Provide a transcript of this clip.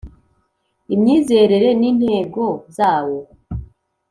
Imyizerere n intego zawo